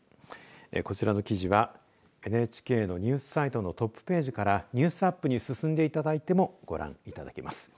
こちらの記事はＮＨＫのニュースサイトのトップページからニュースアップに進んでいただいてもご覧いただけます。